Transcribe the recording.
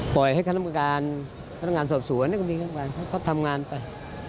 ปล่อยให้คณะกรรมการสอบสวนเขาทำงานไป